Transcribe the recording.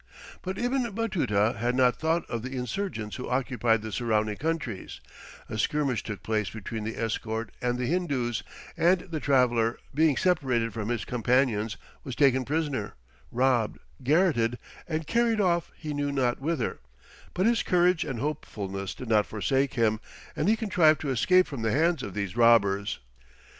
But Ibn Batuta had not thought of the insurgents who occupied the surrounding countries; a skirmish took place between the escort and the Hindoos, and the traveller, being separated from his companions, was taken prisoner, robbed, garotted, and carried off he knew not whither; but his courage and hopefulness did not forsake him, and he contrived to escape from the hands of these robbers.